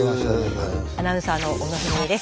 アナウンサーの小野文惠です。